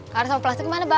karu sama plastik kemana bang